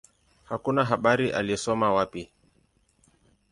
Hakuna habari alisoma wapi.